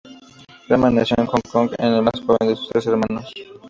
Rahman nació en Hong Kong, el más joven de sus tres hermanos.